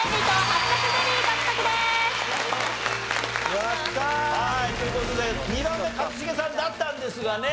はいという事で２番目一茂さんだったんですがね。